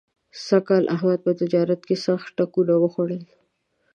سږ کال احمد په تجارت کې سخت ټکونه وخوړل.